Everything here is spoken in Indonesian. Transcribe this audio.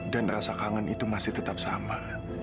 dan rasa kangen itu masih tetap sama